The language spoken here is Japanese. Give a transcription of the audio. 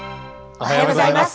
おはようございます。